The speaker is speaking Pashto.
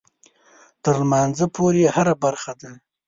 تر لمانځه پورې هره برخه ده.